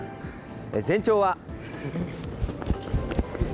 全長は。